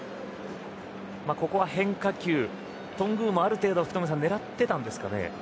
ここは変化球頓宮もある程度狙っていたんですかね。